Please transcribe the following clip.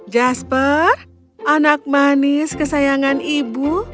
jasper anak manis kesayangan ibu